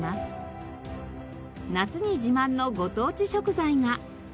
夏に自慢のご当地食材が。